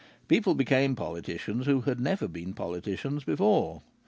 People became politicians who had never been politicians before.